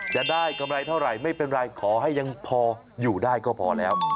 จะได้กำไรเท่าไหร่ไม่เป็นไรขอให้ยังพออยู่ได้ก็พอแล้ว